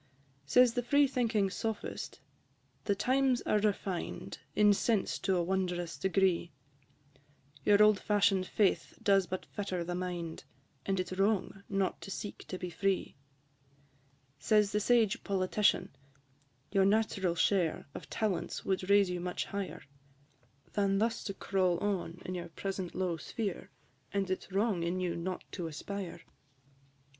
Says the free thinking Sophist, "The times are refined In sense to a wondrous degree; Your old fashion'd faith does but fetter the mind, And it 's wrong not to seek to be free." Says the sage Politician, "Your natural share Of talents would raise you much higher, Than thus to crawl on in your present low sphere, And it 's wrong in you not to aspire." III.